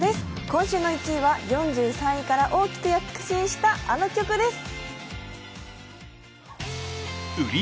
今週の１位は４３位から大きく躍進したあの曲です。